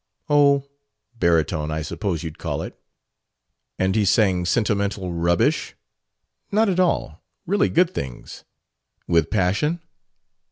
"Oh, baritone, I suppose you'd call it." "And he sang sentimental rubbish?" "Not at all. Really good things." "With passion?"